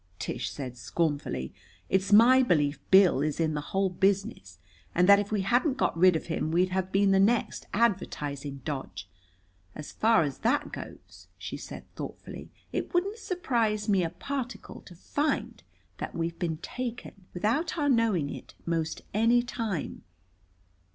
Tish said scornfully. "It's my belief Bill is in the whole business, and that if we hadn't got rid of him we'd have been the next advertising dodge. As far as that goes," she said thoughtfully, "it wouldn't surprise me a particle to find that we've been taken, without our knowing it, most any time.